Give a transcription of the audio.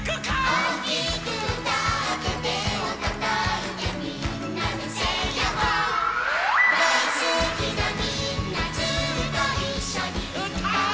「おおきくうたっててをたたいてみんなでセイやっほー☆」やっほー☆「だいすきなみんなずっといっしょにうたおう」